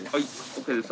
ＯＫです。